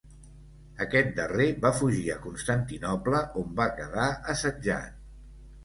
Aquest darrer va fugir a Constantinoble on va quedar assetjat.